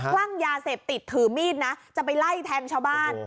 คลั่งยาเสพติดถือมีดนะจะไปไล่แทงชาวบ้าน